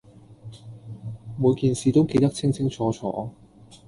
每件事都記得清清楚楚